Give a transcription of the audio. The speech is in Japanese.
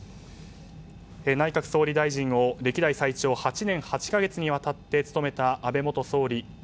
内閣総理大臣を歴代最長８年８か月にわたって務めた安倍元総理。